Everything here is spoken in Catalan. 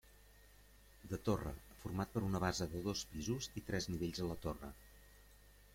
De torre, format per una base de dos pisos i tres nivells a la torre.